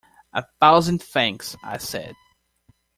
“A thousand thanks,” I said.